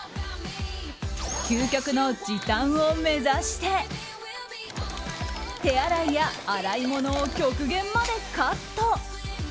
究極の時短を目指して手間や洗い物を極限までカット。